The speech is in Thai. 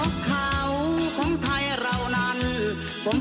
กูกูนกเขาของไทยเหล่านั้น